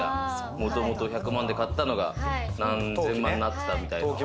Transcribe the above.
もともと１００万で買ったのが何十万なったみたいな。